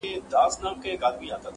له رقیبه مي خنزیر جوړ کړ ته نه وې،